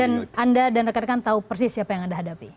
dan anda dan rekan rekan tahu persis siapa yang anda hadapi